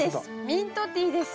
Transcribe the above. ミントティーです。